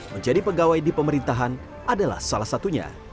menjadi pegawai di pemerintahan adalah salah satunya